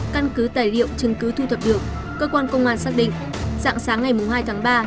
căn cứ tài liệu chứng cứ thu thập được cơ quan công an xác định dạng sáng ngày hai tháng ba